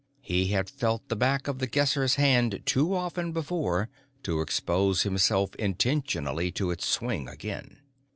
He had felt the back of The Guesser's hand too often before to expose himself intentionally to its swing again.